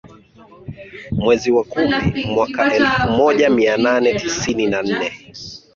Mwezi wa kumi mwaka elfu moja mia nane tisini na nne